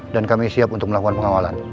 dan kami siap untuk melakukan pengawalan